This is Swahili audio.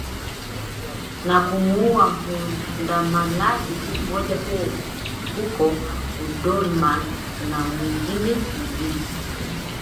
na kumuuwa muandamanaji mmoja huko Omdurman na mwingine mjini